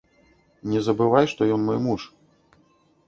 Не забывай, што ён мой муж.